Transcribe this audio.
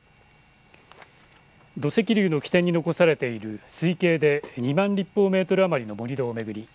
土石流の起点に残されている推計で２万立方メートル余りの盛り土を巡り